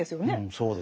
そうです。